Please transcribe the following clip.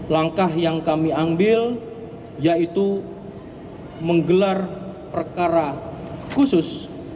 langkah yang kami ambil yaitu menggelar perkara khusus